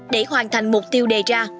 để hoàn thành mục tiêu đề ra